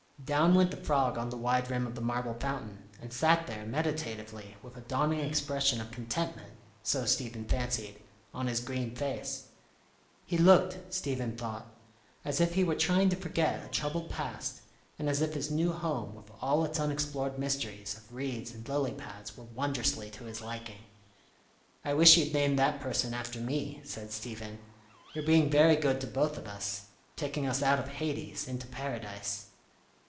Down went the frog on the wide rim of the marble fountain, and sat there, meditatively, with a dawning expression of contentment, so Stephen fancied, on his green face. He looked, Stephen thought, as if he were trying to forget a troubled past, and as if his new home with all its unexplored mysteries of reeds and lily pads were wondrously to his liking. "I wish you'd name that person after me," said Stephen. "You're being very good to both of us, taking us out of Hades into Paradise."